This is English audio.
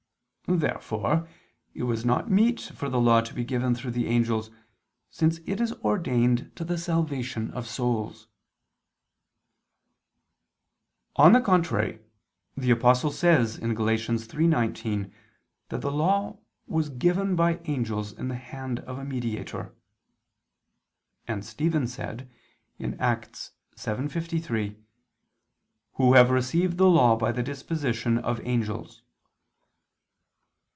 Therefore it was not meet for the Law to be given through the angels, since it is ordained to the salvation of souls. On the contrary, The Apostle said (Gal. 3:19) that the Law was "given [Vulg.: 'ordained'] by angels in the hand of a Mediator." And Stephen said (Acts 7:53): "(Who) have received the Law by the disposition of angels."